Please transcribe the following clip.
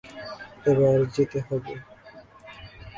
এবার যেতে হবে!